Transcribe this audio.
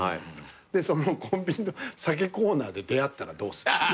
そのコンビニの酒コーナーで出会ったらどうする？